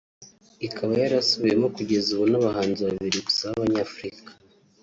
ikaba yarasubiwemo kugeza ubu n’abahanzi babiri gusa babanyafurika